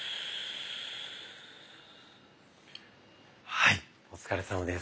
はいお疲れさまです。